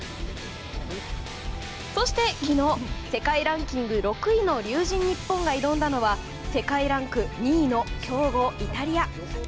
そして昨日世界ランキング６位の龍神ＮＩＰＰＯＮが挑んだのは世界ランク２位の強豪イタリア。